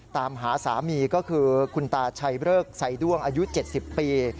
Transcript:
ตามหาสามีก็คือคุณตาชัยเริกไซด้วงอายุ๗๐ปี